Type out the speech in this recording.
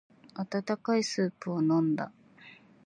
温かいスープを飲んだ。